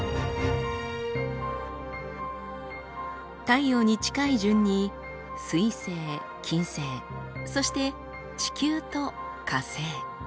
太陽に近い順に水星金星そして地球と火星。